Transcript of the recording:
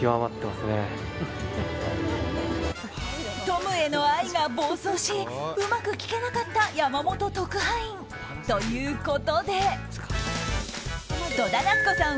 トムへの愛が暴走しうまく聞けなかった山本特派員。ということで戸田奈津子さん